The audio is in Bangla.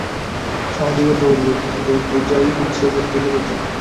সামাজিকতা ও লোকমতের পূজাই হচ্ছে পৌত্তলিকতা।